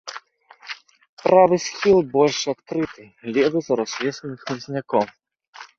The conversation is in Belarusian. Правы схіл больш адкрыты, левы зарос лесам і хмызняком.